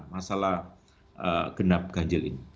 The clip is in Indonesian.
masalah genap ganjil ini